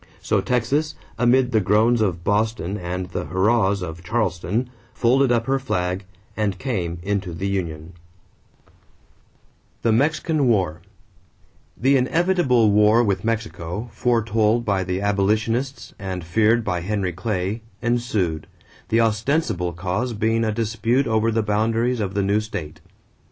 So Texas, amid the groans of Boston and the hurrahs of Charleston, folded up her flag and came into the union. [Illustration: TEXAS AND THE TERRITORY IN DISPUTE] =The Mexican War.= The inevitable war with Mexico, foretold by the abolitionists and feared by Henry Clay, ensued, the ostensible cause being a dispute over the boundaries of the new state.